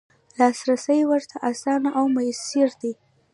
لاسرسی ورته اسانه او میسر دی.